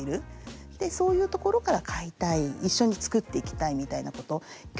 でそういうところから買いたい一緒に作っていきたいみたいなこと。